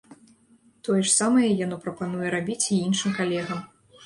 Тое ж самае яно прапануе рабіць і іншым калегам.